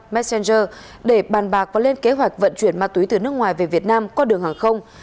messenger để bàn bạc và lên kế hoạch vận chuyển ma túy từ nước ngoài về việt nam qua đường hàng không